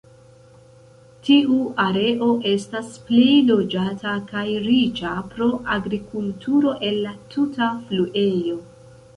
Tiu areo estas plej loĝata, kaj riĉa pro agrikulturo el la tuta fluejo.